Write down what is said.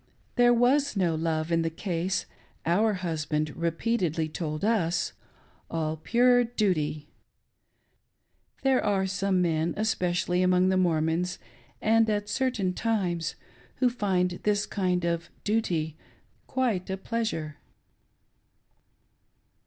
There was no love in the case, our husband repeatedly told us — all pure duty! — There are some men, especially among the Mormons, and at certain times, who find this kind of "duty" quite a pleasure.